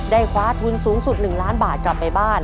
ได้คว้าทุนสูงสุดหนึ่งล้านบาทกลับไปบ้าน